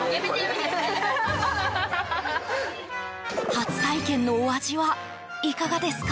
初体験のお味はいかがですか？